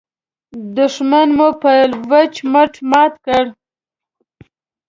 دوښمن مو په وچ مټ مات کړ.